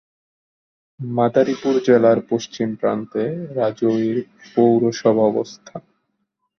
মাদারীপুর জেলার পশ্চিম প্রান্তে রাজৈর পৌরসভার অবস্থান।